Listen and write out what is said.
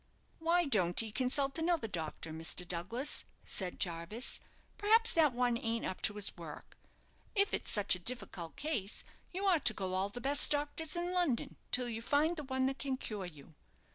"Why don't 'ee consult another doctor, Mr. Douglas," said Jarvis; "perhaps that one ain't up to his work. If it's such a difficult case, you ought to go to all the best doctors in London, till you find the one that can cure you.